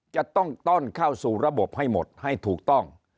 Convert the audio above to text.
จะต้องต้อนเข้าสู่ระบบให้หมดให้ถูกต้อง